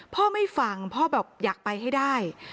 พ่อไม่ฟังพ่อบอกอยากไปให้ได้